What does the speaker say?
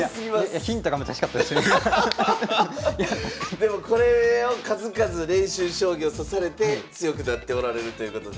でもこれを数々練習将棋を指されて強くなっておられるということで。